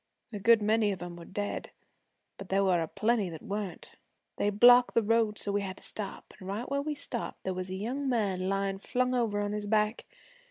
A good many of 'em were dead, but there were a plenty that weren't. They blocked the road so we had to stop, an' right where we stopped there was a young man layin' flung over on his back.